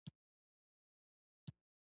استغفار ذکر تلاوت